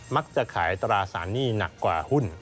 มักจะขายอัตราสารหนี้หนักกว่าหุ้น